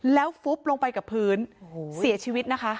แล้วฟุบลงไปกับพื้นเสียชีวิตนะคะ